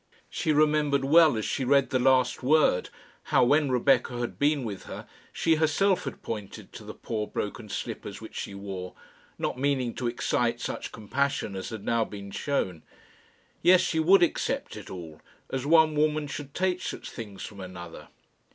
She remembered well, as she read the last word, how, when Rebecca had been with her, she herself had pointed to the poor broken slippers which she wore, not meaning to excite such compassion as had now been shown. Yes, she would accept it all as one woman should take such things from another.